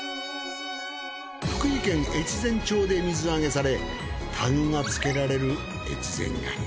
福井県越前町で水揚げされタグがつけられる越前ガニ。